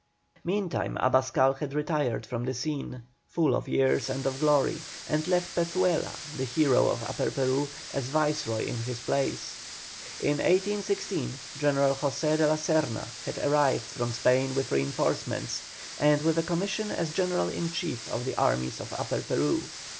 Meantime Abascal had retired from the scene, full of years and of glory, and left Pezuela, the hero of Upper Peru, as Viceroy in his place. In 1816 General José de La Serna had arrived from Spain with reinforcements, and with a commission as General in Chief of the armies of Upper Peru.